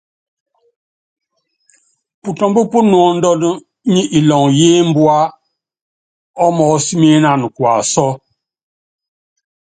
Putɔ́mb pú nuɔ́ndɔn nyɛ ilɔŋ í imbua ɔ́ mɔɔ́s mí ínan kuasɔ́.